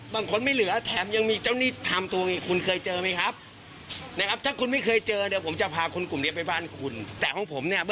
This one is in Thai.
บางคนไม่เหลือเธมยังมีเจ้านี่ทำตัวเขาเคยเจอมั้ยครับ